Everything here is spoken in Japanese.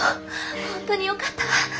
本当によかったわ。